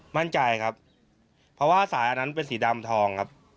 มั่นใจครับเพราะว่าสายอันนั้นเป็นสีดำทองครับ